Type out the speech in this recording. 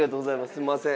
すみません。